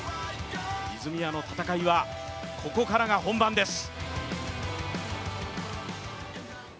泉谷の戦いは、ここからが本番です。